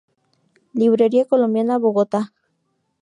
Librería Colombiana, Bogotá.